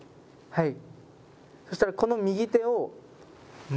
はい。